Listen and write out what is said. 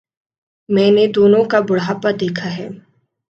میں نے دونوں کا بڑھاپا دیکھا ہے۔